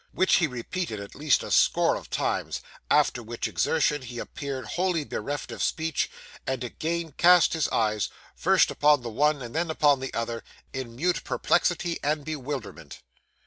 which he repeated at least a score of times; after which exertion, he appeared wholly bereft of speech, and again cast his eyes, first upon the one and then upon the other, in mute perplexity and bewilderment.